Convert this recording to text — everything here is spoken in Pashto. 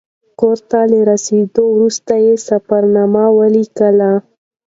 کور ته له ستنېدو وروسته یې سفرنامه ولیکله.